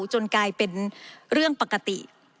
จนกลายเป็นเรื่องปกติ